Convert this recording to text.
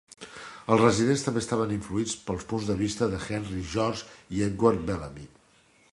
Els residents també estaven influïts pels punts de vista de Henry George i Edward Bellamy.